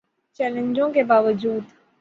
چیلنجوں کے باوجو